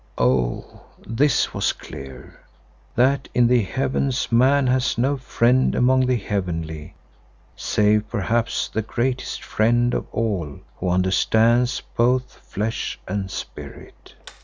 Oh! this was clear, that in the heavens man has no friend among the heavenly, save perhaps the greatest Friend of all Who understands both flesh and spirit.